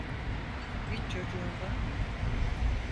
Hiç çocuğun var mı?